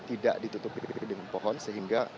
tidak ditutupi di gedung pohon sehingga